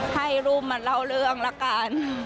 ให้รูปมาเล่าเรื่องละกัน